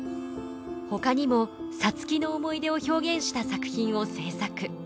ほかにも皐月の思い出を表現した作品を制作。